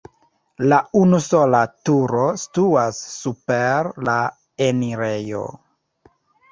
La unusola turo situas super la enirejo.